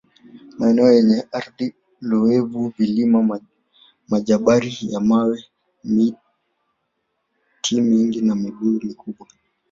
Maeneo yenye ardhi loevu Vilima Majabari ya mawe miti mingi na Mibuyu mikubwa